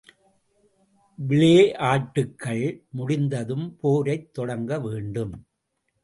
விளேயாட்டுக்கள் முடிந்ததும் போரைத் தொடங்க வேண்டும்.